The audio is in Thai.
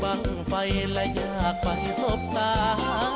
บ้างไฟและอยากไปสบตา